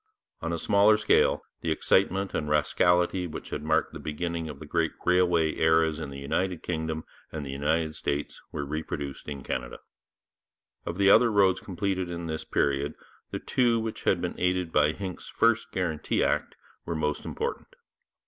On a smaller scale, the excitement and the rascality which had marked the beginning of the great railway eras in the United Kingdom and the United States were reproduced in Canada. Of the other roads completed in this period, the two which had been aided by Hincks's first Guarantee Act were most important.